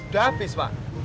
udah habis pak